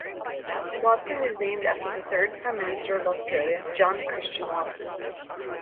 Watson is named after the third Prime Minister of Australia, John Christian Watson.